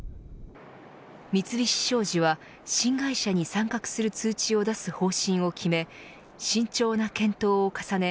三菱商事は新会社に参画する通知を出す方針を決め慎重な検討を重ね